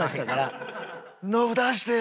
「ノブ出してよ！！」。